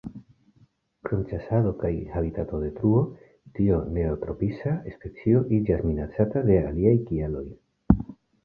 Krom ĉasado kaj habitatodetruo, tiu neotropisa specio iĝas minacata de aliaj kialoj.